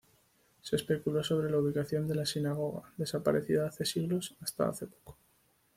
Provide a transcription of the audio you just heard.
Se especuló sobre la ubicación de la sinagoga, desaparecida hace siglos, hasta hace poco.